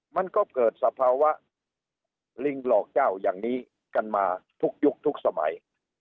มันก็เกิดสภาวะลิงหลอกเจ้าอย่างนี้กันมาทุกยุคทุกสมัย